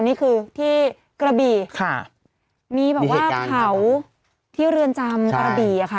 นี่คือที่กระบีค่ะมีเหตุการณ์เลยมีว่าเขาที่เรือนจำกระบีอะค่ะ